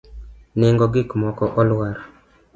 Nengo gik moko olwar